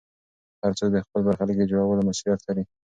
هر څوک د خپل برخلیک د جوړولو مسوولیت لري.